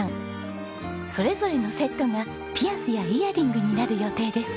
それぞれのセットがピアスやイヤリングになる予定です。